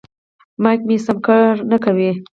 مایک مې سم کار نه کوي.